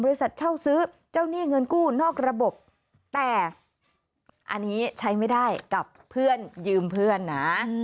เช่าซื้อเจ้าหนี้เงินกู้นอกระบบแต่อันนี้ใช้ไม่ได้กับเพื่อนยืมเพื่อนนะ